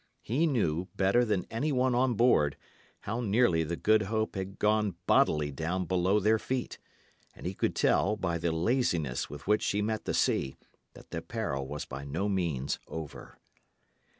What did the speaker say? He knew, better than any one on board, how nearly the Good Hope had gone bodily down below their feet; and he could tell, by the laziness with which she met the sea, that the peril was by no means over.